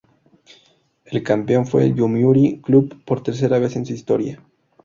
El campeón fue el Yomiuri Club, por tercera vez en su historia.